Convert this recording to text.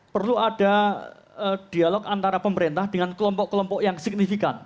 perlu ada dialog antara pemerintah dengan kelompok kelompok yang signifikan